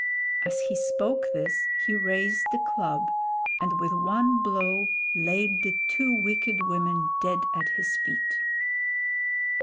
As he spoke this he raised the club and with one blow laid the two wicked women dead at his feet.